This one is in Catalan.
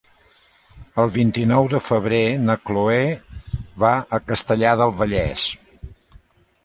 El vint-i-nou de febrer na Chloé va a Castellar del Vallès.